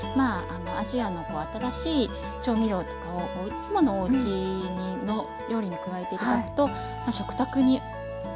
アジアの新しい調味料とかをいつものおうちの料理に加えて頂くと食卓に広がりますよね。